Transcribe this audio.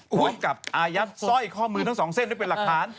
พร้อมกับอายัดสร้อยข้อมือทั้งสองเส้นด้วยเป็นหลักฐาน